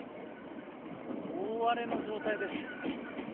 大荒れの状態です。